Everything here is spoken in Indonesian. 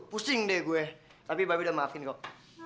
pusing deh gue tapi mbak dina udah maafin kok